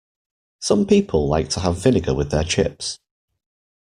Some people like to have vinegar with their chips